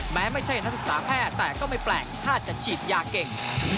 ไม่ใช่นักศึกษาแพทย์แต่ก็ไม่แปลกถ้าจะฉีดยาเก่ง